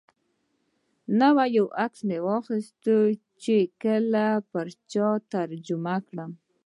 نو یو عکس مې واخیست چې کله یې پر چا ترجمه کړم.